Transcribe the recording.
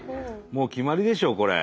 もう決まりでしょこれ。